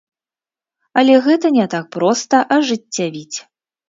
Але гэта не так проста ажыццявіць.